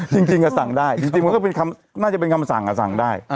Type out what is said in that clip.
จริงสั่งได้จริงมันก็น่าจะเป็นคำสั่งสั่งได้